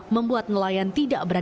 membuat nelayan tidak berjalan